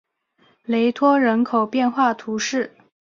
雷托人口变化图示